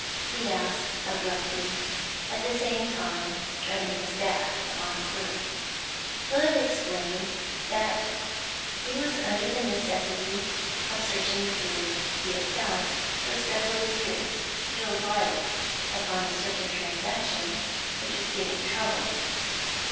he asked abruptly, at the same time turning his back upon the clerk. Hood explained that he was under the necessity of searching through the accounts for several years, to throw light upon a certain transaction which was giving trouble.